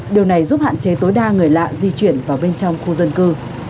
điều này giúp hạn chế tối đa người lạ di chuyển vào bên trong khu dân cư